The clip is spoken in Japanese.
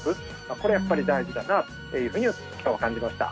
これやっぱり大事だなっていうふうに今日は感じました。